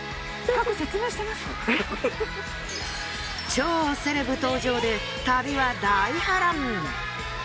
超セレブ登場で旅は大波乱。